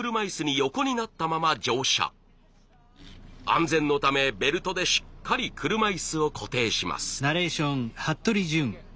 安全のためベルトでしっかり車いすを固定します。